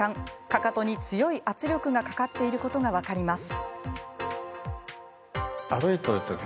かかとに強い圧力がかかっていることが分かります。